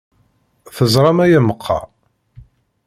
Teẓram aya meqqar?